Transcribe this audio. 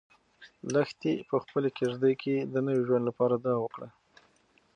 لښتې په خپلې کيږدۍ کې د نوي ژوند لپاره دعا وکړه.